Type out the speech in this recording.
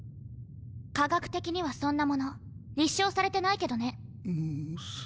科学的にはそんなもの立証されてないけどね。モス。